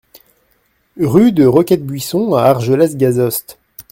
Rue de Roquette Buisson à Argelès-Gazost